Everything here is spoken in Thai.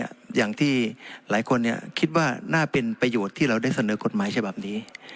อย่างที่หลายคนคิดว่าน่าเป็นประโยชน์ที่เราได้เสนอกฎหมายฉบับนี้